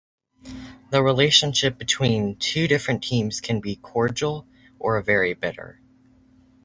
The relationship between the different teams can be cordial or very bitter.